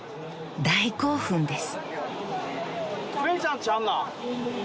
大興奮です］